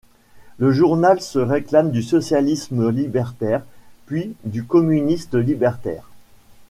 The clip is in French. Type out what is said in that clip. Le journal se réclame du socialisme libertaire puis du communisme libertaire.